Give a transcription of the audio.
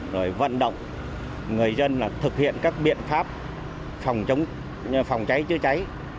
rồi vận động người dân thực hiện các biện pháp phòng cháy chữa cháy